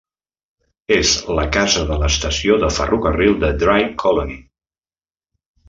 És la casa de l'estació de ferrocarril de Drigh Colony.